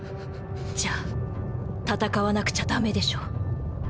じゃあ戦わなくちゃダメでしょ？